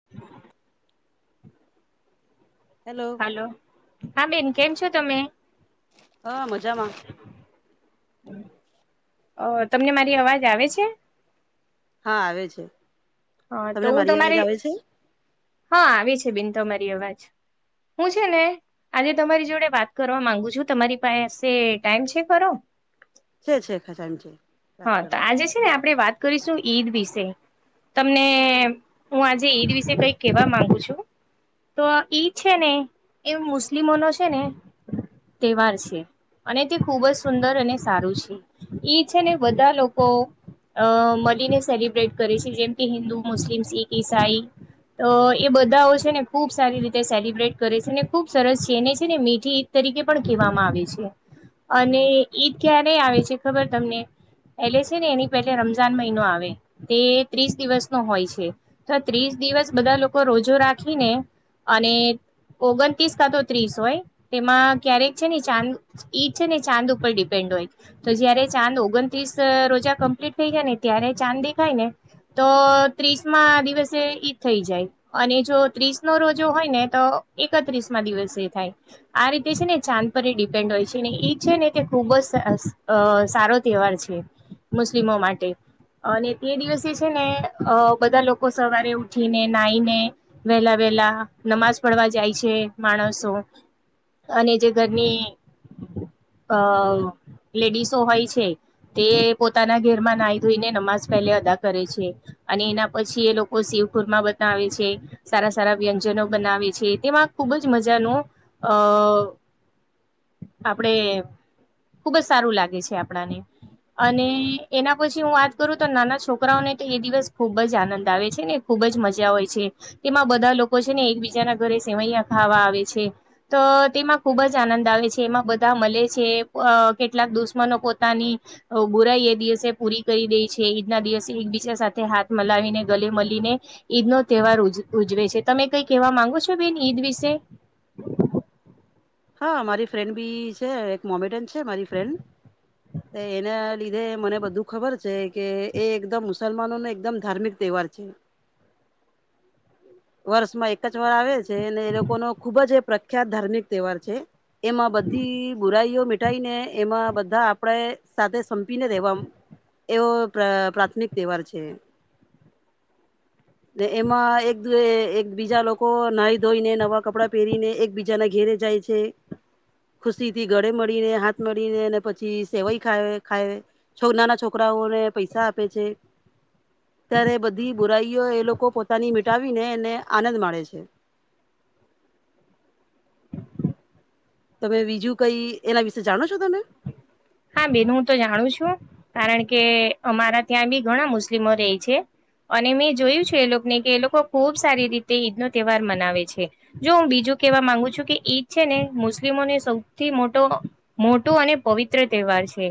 [inaudible] Hello hello હા બેન કેમ છો તમે. હા મજામાં. હમ. [unintelligible] અ તમને મારી અવાજ આવે છે. હા આવે છે. હા તો તમને હું મારી અવાજ તમારી આવે છે હા આવી છે બિન તો મારી અવાજ. હું છે ને. આજે તમારી જોડે વાત કરવા માંગુ છું તમારી પાસે ટાઈમ છે, કરો. છે છે ખાસા ટાઈમ છે. વાત હા તો કરું આજે છે ને આપણે વાત કરીશું ઈદ વિશે. તમને હું આજે ઈદ વિશે કઈક કેવા માંગુ છું. તો ઈદ છે ને એ મુસ્લિમોનો છે ને તહેવાર છે. અને તે ખૂબ જ સુંદર અને સારું છે એ છે ને બધા લોકો. અ મળીને સેલિબ્રેટ કરે છે જેમ કે હિન્દુ મુસ્લિમ શીખ ઈસાઈ. તો એ બધાઓ છે ને ખુબ સારી રીતે સેલિબ્રેટ કરે છેને, ખુબ સરસ છેને છે ને મીઠી. તરીકે પણ કહેવામાં આવે છે અને ઈદ ક્યારે આવે છે, ખબર તમને એટલે છે ને એની પેલે રમજાન મહિનો આવે તે ત્રીસ દિવસ નો હોય છે. તો ત્રીસ દિવસ બધા લોકો રોજો રાખીને અને ઓગણત્રીસ કા તો ત્રીસ હોય તેમાં ક્યારેક છેને, ચાંદ. ઈજ છે ને ચાંદ ઉપર ડિપેન્ડ હોય તો જયારે ચાંદ. ઓગણત્રીસ રોજા કમ્પ્લીટ થઈ જાય ને ત્યારે ચાંદ દેખાય ને?. તો ત્રીસ દિવસે ઈ થઈ જાય. અને જો ત્રીસ નો રોજો હોય ને તો એકત્રીસ માં દિવસે થાય. આ રીતે છેને, ચાંદ પર એ ડિપેન્ડ હોય છે ને એ છે ને તે ખૂબ જ સારો. તહેવાર છે, મુસ્લિમો માટે. અને તે દિવસે છેને, અ બધા લોકો સવારે ઉઠીને નાઈને. વેલા વેલા નમાજ પડવા જાય છે, માણસ અને જે ઘરની અ લેડીસો હોય છે. તે પોતાના ઘેરમાં નાહી ધોઈને નમાજ પહેલે અદા કરે છે. અને એના પછી એ લોકો શિવખુર માં બતાવે છે. સારા સારા વ્યંજનો બનાવે છે, તેમાં ખુબ જ મજાનો આપડે ખુબ જ સારું લાગે છે, આપણાને અને એના પછી હું વાત કરું તો નાના છોકરાઓને તો એ દિવસ ખુબ જ આનંદ આવે છેને. ખુબ જ મજા હોય છે, તેમાં બધા લોકો છે ને એકબીજાના ઘરે સેવૈયા ખાવા આવે છે. તો તેમાં ખૂબ જ આનંદ આવે છે, એમાં બધા મળે છે કેટલાક દુશ્મનો પોતાની બુરાઈ એ દિવસે પૂરી કરી દે છે ઈદના દિવસે એકબીજા સાથે હાથ મીલાવીને ગલે મળીને ઈદ નો તહેવાર ઉજવે છે તમે કઈ કહેવા માંગો છો? બેન ઈદ વિશે હા મારી ફ્રેન્ડ બી છે, એક મોમેડીયન છે મારી ફ્રેન્ડ એને લીધે મને બધું ખબર છે કે એ એકદમ મુસલમાનો નો એકદમ ધાર્મિક તહેવાર છે. વર્ષમાં એક જ વાર આવે છે અને એ લોકો નો ખુબ જ એ પ્રખ્યાત ધાર્મિક તહેવાર છે. એમાં બધી બુરાઈઓ ભુલાઈને એમાં બધા આપડે સાથે સંપીને રહેેવા એવો પ્રાથમિક તહેવાર છે. એમાં એક એક બીજા લોકો નાઈ ધોઈને નવા કપડાં પહેરીને એકબીજા ના ઘેરે જાય છે. ખુશી થી ગળે મળીને હાથ, મળીને ને પછી સેવૈઈ ખાય છો નાના છોકરાઓને પૈસા આપે છે. ત્યારે બધી બુરાઈઓ એ લોકો પોતાની મિટાવીને અને આનંદ માણેે છે. તમે બીજું કઈ એના વિશે જાણો છો, તમે? હા બેન હું તો જાણું છું કારણ કે અમારા ત્યાં બી ઘણા મુસ્લિમો રહી છે. અને મેં જોયું છે એ લોકોને કે એ લોકો ખુબ સારી રીતે ઈદ નો તહેવાર મનાવે છે. જો હું બીજું કેવા માંગુ છું કે ઈદ છેને, મુસ્લિમોને સૌથી મોટો મોટું અને પવિત્ર તહેવાર છે.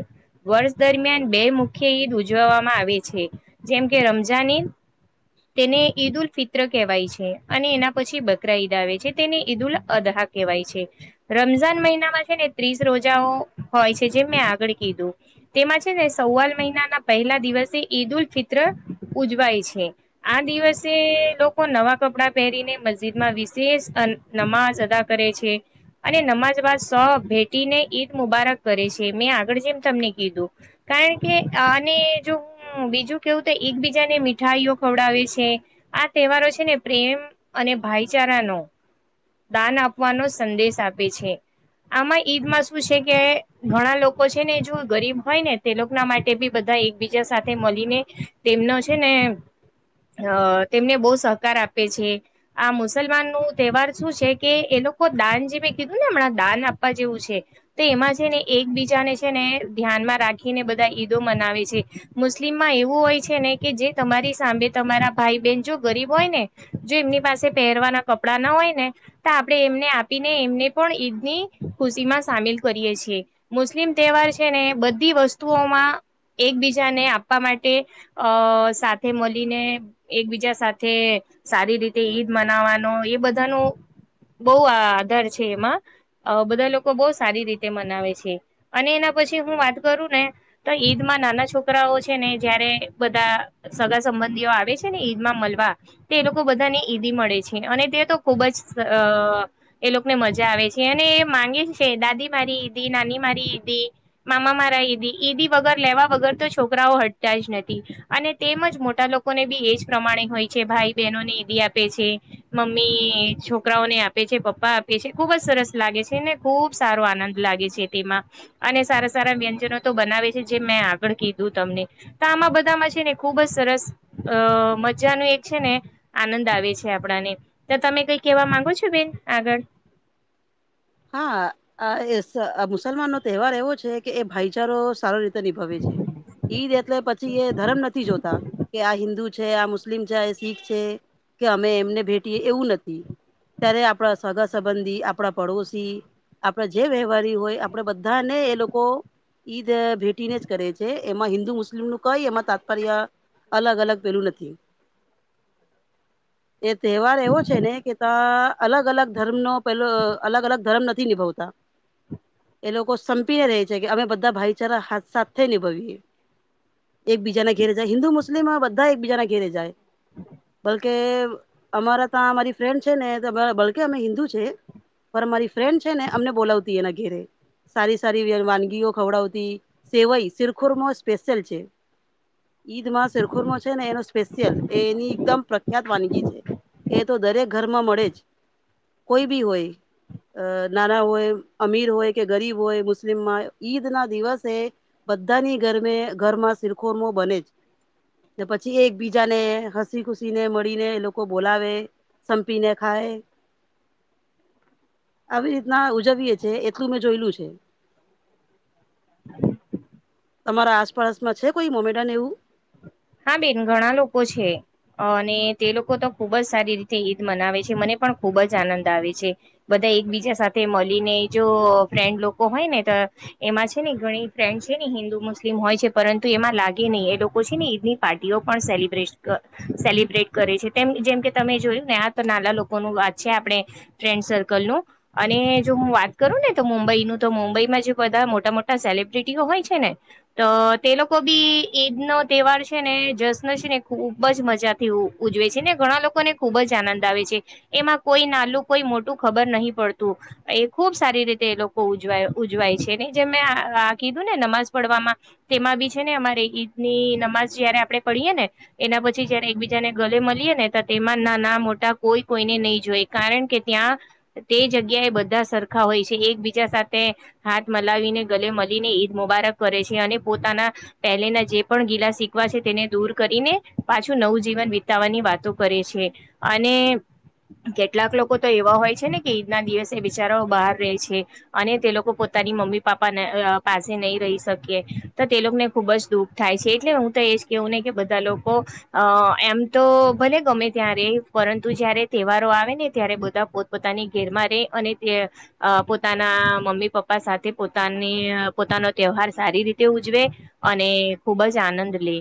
વર્ષ દરમિયાન બે મુખ્ય ઈદ ઉજવવામાં આવે છે, જેમ કે રમઝાનઈ તેને ઈદ ઉલ ફિત્ર કહેવાય છે, અને એના પછી બકરા ઈદ આવે છે, તેને ઈદ ઉલ અદહા કેવાય છે રમઝાન મહિનામાં છે ને ત્રીસ રોજાઓ હોય છે. જે મેં આગળ કીધું તેમાં છે ને સવાલ મહિનાના પહેલા દિવસે ઈદ ઉલ ફિત્ર ઉજવાય છે. આ દિવસે લોકો નવા કપડાં પહેરીને મસ્જિદમાં વિશેષ નમાજ અદા કરે છે અને નમાઝ બાદ સહ ભેટીને ઈદ મુબારક કરે છે મેં આગળ જેમ તમને કીધું કારણ કે આને જો હમ બીજું કેવું તો એકબીજા ને મીઠાઈઓ ખવડાવે છે. આ તહેવારો છેને, પ્રેમ અને ભાઈચારાનો દાન આપવાનો સંદેશ આપે છે આમાં ઈદમાં શું છે, કે ઘણા લોકો છે ને જો ગરીબ હોય ને તે લોકોના માટે બી બધા એકબીજા સાથે મળીને તેમનો છે ને તેમને બહુ સહકાર આપે છે. આ મુસલમાન નું તહેવાર શું છે કે એ લોકો દાનજીવી કીધું ને હમણાં દાન આપવા જેવું છે તો એમાં છે ને એકબીજાને છે ને ધ્યાનમાં રાખીને બધા ઈદો મનાવે છે. મુસ્લિમમાં એવું હોય છે ને કે જે તમારી સામે તમારા ભાઈ બહેન જો ગરીબ હોય ને જો એમની પાસે પહેરવાના કપડા ના હોય ને તો આપણે એમને આપીને એમને પણ ઈદ ની ખુશી માં સામેલ કરીએ છીએ. મુસ્લિમ તહેવાર છે ને બધી વસ્તુઓમાં એકબીજાને આપવા માટે અ સાથે મળીને એકબીજા સાથે સારી રીતે ઈદ મનાવાનો એ બધાનું બહુ આ આધાર છે એમાં બધા લોકો બહુ સારી રીતે મનાવે છે. અને એના પછી હું વાત કરું ને તો ઈદમાં નાના છોકરાઓ છે ને જયારે બધા સગા સંબંધીઓ આવે છે ને ઈદ માં મલવા તે લોકો બધાને ઈદી મળે છે અને તે તો ખુબ જ એ લોકો ને મજા આવે છે અને માંગે છે છે દાદી મારી ઈદી નાની મારી ઈદી મામા મારા ઈદી ઈદી વગર લેવા વગર તો છોકરાઓ હટતા જ નથી અને તેમજ મોટા લોકો. લોકોને બી એજ પ્રમાણે હોય છે ભાઈ બહેનો ને એઈ બ આપે છે. મમ્મી છોકરાઓને આપે છે પપ્પા આપે છે ખુબ જ સરસ લાગે છે ને. ખુબ સારો આનંદ લાગે છે. તેમાં અને સારા સારા વ્યંજનો તો બનાવે છે જે મેં આગળ કીધું તમને. તો આમાં બધામાં છે ને ખુબ જ સરસ અ મજાનું એક છે ને. આનંદ આવે છે આપણાને તો તમે કઈ કેવા માંગો છો બેન આગળ. હા મુસલમાન નો તહેવાર એવો છે કે એ ભાઈચારો સારો રીતે. ભવે છે ઈદ એટલે પછી એ ધર્મ નથી જોતા. કે આ હિન્દુ છે આ મુસ્લિમ છે આ શીખ છે કે અમે એમને ભેટીએ એવું નથી. ત્યારે આપણા સગા સંબંધી આપણા પડોશ. આપણા જે વ્યવહારી હોય આપણે બધાને એ લોકો. ઈદ ભેટીને જ કરે છે એમાં હિન્દુ મુસ્લિમ નું કઈ એમાં તાત્પર્ય. અલગ અલગ પેલું નથી. [inaudible] એ તહેવાર એવો છે ને કે ત્યાં અલગ અલગ ધર્મનોો પેલો અલગ અલગ. ધરમ નથી નિભાવતા. એ લોકો સંપીને રે છે કે અમે બધા ભાઈચારા હાથ સાથે નિભાવએ. એકબીજાના ઘેરે જાય હિન્દુ મુસ્લિમ બધા એકબીજાના ઘેરે જાય. કે અમારા ત્યાં મારી ફ્રેન્ડ છે ને બલકે અમે હિન્દુ છે પણ મારી. ફ્રેન્ડ છે ને અમને બોલાવતી એના ઘેરે. સારી સારી વાનગીઓ ખવડાવતી સેવાઈ શિરખોરમાં સ્પેશિયલ છે. ઈદ માં શેરખુરો છે ને એનો સ્પેશિયલ એની એકદમ. ખ્યાત વાનગી છે એ તો દરેક ઘરમાં મળે જ કોઈ બી હોય. અ નાના હોય અમીર હોય કે ગરીબ હોય મુસ્લિમમાં ઈદ ના દિવસે. બધાની ગરમે ઘરમાં શિરખોરમો બને જ. પછી એકબીજા ને હસી ખુસી ને મળીને એ લોકો બોલાવે. સંપીને ખાય. આવી રીતના ઉજવીએ છીએ એટલું મેં જોયલું છે. [unintelligible] તમારા આસપાસમાં છે કોઈ મોમેડા ને એવું. હા બેન ઘણા લોકો છે. અને તે લોકો તો ખુબજ સારી રીતે ઈદ મનાવે છે, મને પણ ખૂબજ આનંદ આવે છે. બધા એકબીજા સાથે મળી ને જો ફ્રેન્ડ લોકો હોય ને તો એમાં છે ને ઘણી ફ્રેન્ડ છે ને હિન્દુ મુસ્લિમ હોય છે, પરંતુ એમાં લાગે નઈ એ લોકો છે ને ની પાર્ટીઓ પણ સેલિબ્રેટ ક સેલિબ્રેટ કરે છે, તેમ જેમ કે તમે જોયું ને આ તો નાના લોકોનું વાત છે આપડે ફ્રેન્ડ સર્કલનું અને જો હું વાત કરું ને તો મુંબઈનું તો મુંબઈમાં જે બધા મોટા મોટા સેલિબ્રિટીઓ હોય છે ને તો તે લોકો બી ઈદ નો તહેવાર છે ને, જશ્ન છે ને ખુબજ મજાથી ઉજવે છે, ને ઘણા લોકો ને ખુબજ આનંદ આવે છે. એમાં કોઈ નાલું, કોઈ મોટું ખબર નહી પડતું. એ ખુબ સારી રીતે એ લોકો ઉજવાય ઉજવાય છે, ને જે મેં આ કીધું ને નમાઝ પડવામાં તેમાં બી છે ને અમારે ઈદ ની નમાઝ જયારે આપડે પડીએ ને એના પછી જયારે એકબીજાને ગલે મળીએ ને તો તેમાં ના ના મોટા કોઈ કોઈને નઈ જોઈ. કારણકે ત્યાં તે જગ્યાએ બધા સરખા હોય છે, એકબીજા સાથે હાથ મલાવીને ગલે મળીને ઈદ મુબારક કરે છે અને પોતાના પહેલેના જે પણ ગિલાસીક કવા છે તેને દૂર કરીને પાછું નવું જીવન વિતાવાની વાતો કરે છે. અને કેટલાક લોકો તો એવા હોય છે ને કે ઈદ ના દિવસે બિચારાઓ બહાર રહે છે. અને તે લોકો પોતાની મમ્મી પાપા અહ પાસે નહી રહી શકીએ, તો તે લોકોને ખુબજ દુઃખ થાય છે, એટલે હું તો એજ કેવું ને કે બધા લોકો અહ એમ તો ભલે ગમે ત્યારે પરંતુ જયારે તહેવારો આવે ને ત્યારે બધા પોત પોતાની ઘેરમાં રેહ અને તે અહ પોતાના મમ્મી પપ્પા સાથે પોતાની અહ પોતાનો તહેવાર સારી રીતે ઉજવે અને ખુબજ આનંદ લે.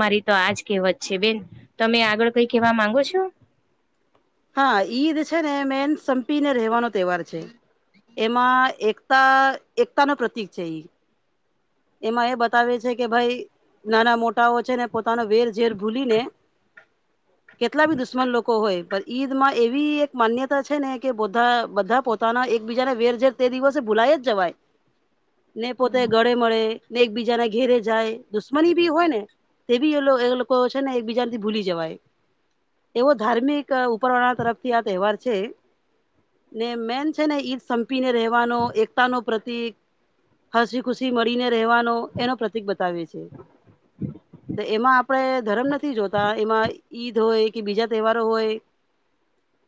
મારી તો આજ કહેવત છે બેન, તમે આગળ કઈ કેવા માંગો છો? હા, ઈદ છે ને મેન સંપીને રહેવાનો તહેવાર છે. એમાં એકતા એકતાનો પ્રતિક છે, એ એમાં એ બતાવે છે કે ભાઈ, નાના મોટાઓ છે ને પોતાનો વેર ઝેર ભૂલીને હ કેટલા બી દુશ્મન લોકો હોય, પણ ઈદ માં એવી એક માન્યતા છે ને કે બોધા બધા પોત પોતાના એકબીજાને વેર ઝેર તે દિવસે ભૂલાય જવાય [inaudible] ને પોતે ગળે મળે, ને એકબીજાને ઘેરે જાય, દુશ્મનીભી હોય ને તે બી એ એ લોકો છે ને એક બીજાથી ભૂલી જવાય. એવો ધાર્મિક ઉપરવાળા તરફથી આ તહેવાર છે. ને મેન છે ને ઈદ સંપીને રહેવાનો એકતા નો પ્રતિક, હસી ખુશી હસી મળીને રહેવાનો એનો પ્રતિક બતાવે છે. તો એમાં આપણે ધરમ નથી જોતા, એમાં ઈદ હોય કે બીજા તહેવારો હોય. [inaudible]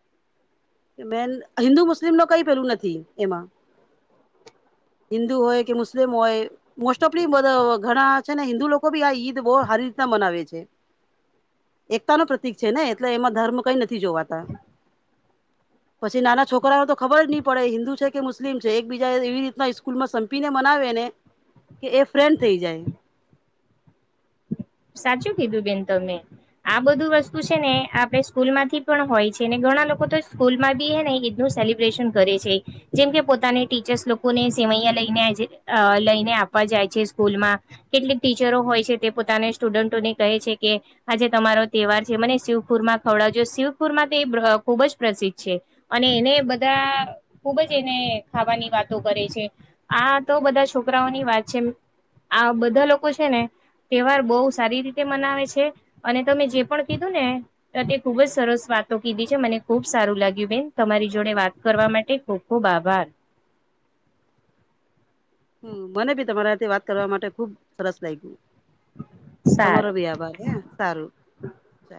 બેન હિન્દુ મુસ્લિમનું કઈ પેલું નથી, એમાં હિન્દુ હોય કે મુસ્લિમ હોય મોસ્ટ ઓફ ઘણા છે ને હિન્દુ લોકો બી આ ઈદ બહુ સારી રીતના મનાવે છે એકતા ન પ્રતિક છે ને એટલે એમાં ધર્મ કઈ નથી જોવાતા હ પછી નાના છોકરાઓ તો ખબર નહી પડે હિન્દુ છે કે મુસ્લિમ છે, એકબીજા એવી રીતના સ્કૂલ માં સંપીને મનાવેને કે એ ફ્રેન્ડ થઈ જાય. સાચું કીધું બેન, તમે. આ બધું વસ્તુ છે ને આપડે સ્કૂલ માંથી પણ હોય છે ને ઘણા લોકો તો સ્કૂલમાં બી હેને ઈદ નું સેલિબ સેલિબ્રેશન કરે છે, જેમકે પોતાને ટીચર્સ લોકોને સેવૈયા લઈને અહ લઈને આપ આપવા જાય છે સ્કૂલમાં, કેટલીક ટીચરો હોય છે તે પોતાને સ્ટુડન્ટોને કહે છે કે આજે તમારો તહેવાર છે મને શિવકુરમા ખવડાવજો શિવકુરમા તે ખુબજ પ્રસિદ્ધ છે. અને એને બધા ખુબ જ એને ખાવાની વાતો કરે છે આ તો બધા છોકરાઓની વાત છે આ બધા લોકો છે ને તહેવાર બહુ સારી રીતે મનાવે છે અને તમે જે પણ કીધું ને તે ખુબ જ સરસ વાતો કીધી છે મને ખુબ સારું લાગ્યું બેન તમારી જોડે વાત કરવા માટે ખૂબ ખૂબ આભાર હ મને બી તમારા સાથે વાત કરવા માટે ખુબ સરસ લાગ્યું સારું તમારો બી આભાર હે સારું ચાલ